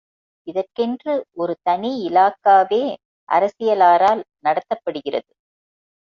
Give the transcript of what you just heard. இதற்கென்று ஒரு தனி இலாகா வே அரசியலாரால் நடத்தப்படுகிறது.